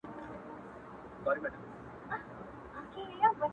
• یا د شپې یا به سبا بیرته پیدا سو ,